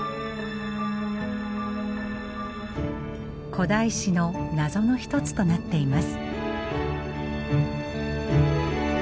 古代史の謎の一つとなっています。